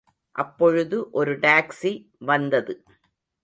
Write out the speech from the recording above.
அப்பொழுது ஒரு டாக்சிவந்தது.